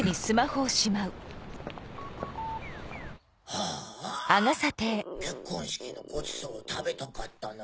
・ああ・結婚式のごちそう食べたかったな。